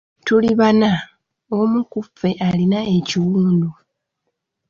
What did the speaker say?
Tuli bana, omu ku ffe alina ekiwundu.